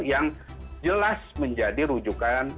yang jelas menjadi rujukan